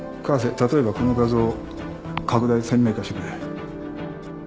例えばこの画像を拡大鮮明化してくれ。